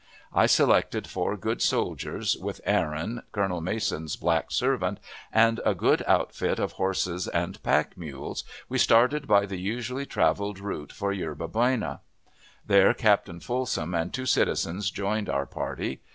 I selected four good soldiers, with Aaron, Colonel Mason's black servant, and a good outfit of horses and pack mules, we started by the usually traveled route for Yerba Buena. There Captain Fulsom and two citizens joined our party.